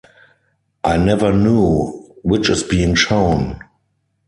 I never knew which is being shown.